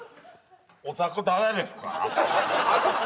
おたく誰ですか？